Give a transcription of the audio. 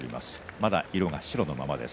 まだ色が白のままです。